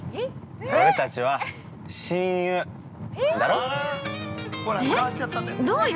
俺たちは、親友、だろ。